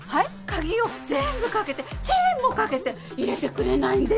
鍵を全部かけてチェーンもかけて入れてくれないんですって。